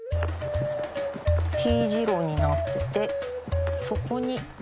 丁字路になっててそこに。